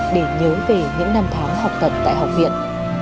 để nhớ về những năm tháng học tập tại học viện